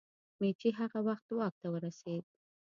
مېجي هغه وخت واک ته ورسېد.